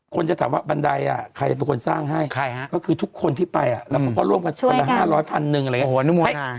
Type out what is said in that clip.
จะถามว่าบันไดใครเป็นคนสร้างให้ก็คือทุกคนที่ไปแล้วเขาก็ร่วมกันวันละ๕๐๐พันหนึ่งอะไรอย่างนี้